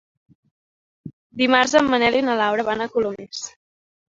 Dimarts en Manel i na Laura van a Colomers.